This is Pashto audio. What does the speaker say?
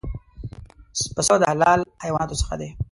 پسه د حلال حیواناتو څخه دی.